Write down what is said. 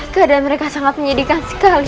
keadaan mereka sangat menyedihkan sekali